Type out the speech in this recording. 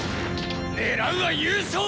狙うは優勝！